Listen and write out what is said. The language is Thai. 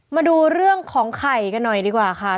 มาดูเรื่องของไข่กันหน่อยดีกว่าค่ะ